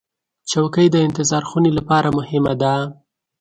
چوکۍ د انتظار خونې لپاره مهمه ده.